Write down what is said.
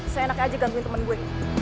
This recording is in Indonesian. seenak aja gantuin temen gue